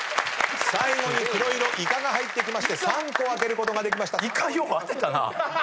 最後に黒色イカが入ってきまして３個開けることができました。